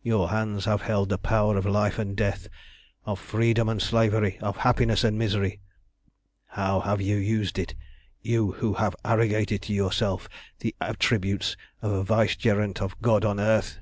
Your hands have held the power of life and death, of freedom and slavery, of happiness and misery. How have you used it, you who have arrogated to yourself the attributes of a vicegerent of God on earth?